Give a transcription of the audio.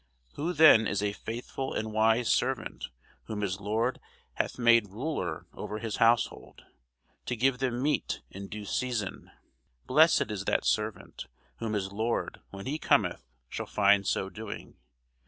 Who then is a faithful and wise servant, whom his lord hath made ruler over his household, to give them meat in due season? Blessed is that servant, whom his lord when he cometh shall find so doing.